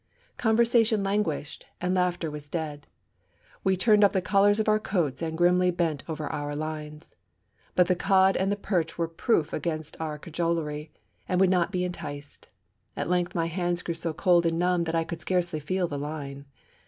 Conversation languished, and laughter was dead. We turned up the collars of our coats, and grimly bent over our lines. But the cod and the perch were proof against all our cajolery, and would not be enticed. At length my hands grew so cold and numb that I could scarcely feel the line.